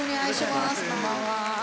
こんばんは。